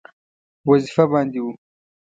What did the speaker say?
وظیفه باندې وو.